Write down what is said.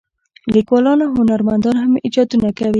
لیکوالان او هنرمندان هم ایجادونه کوي.